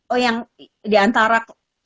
oh yang diantara